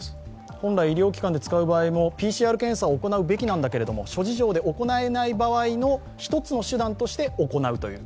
本来、医療機関で使う場合も、ＰＣＲ検査を行うべきなんだけれども、諸事情で行えない場合の一つの手段として行うという。